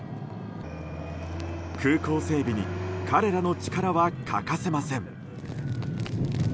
空港整備に彼らの力は欠かせません。